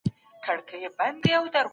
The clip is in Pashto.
تاسو به په هر حال کي د خدای شکر ادا کوئ.